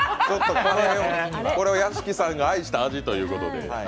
これは屋敷さんが愛した味ということで。